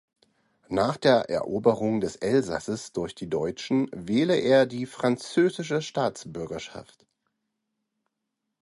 Nach der Eroberung des Elsasses durch die Deutschen wähle er die französische Staatsbürgerschaft.